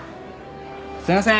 すいませーん。